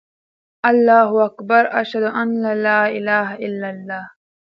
اللهاکبر، اشهدان الاله االاهلل